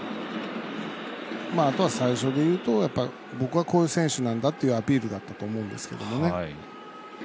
あとは最初でいうと僕はこういう選手なんだっていうアピールだったと思うんですけどもね。